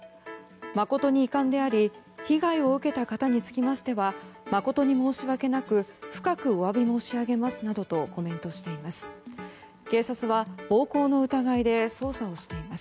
誠に遺憾であり被害を受けた方につきましては誠に申し訳なく深くお詫び申し上げますなどとコメントしています。